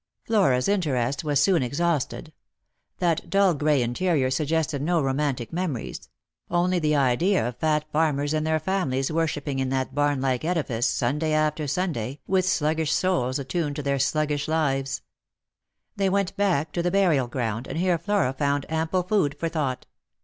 Flora's interest was soon exhausted. That dull gray interior suggested no romantic memories— only the idea of fat farmers and their families worshipping in that barn 140 Lost for Love. like edifice, Sunday after Sunday, with sluggish souls attuned to their sluggish lives. They went back to the burial ground, and here Flora found ample food for thought.